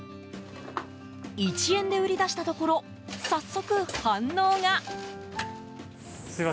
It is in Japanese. １円で売り出したところ早速、反応が。